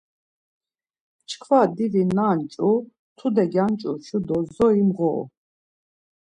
Çkva divi nanç̌u, tude gyanç̌uşu do zori mğoru.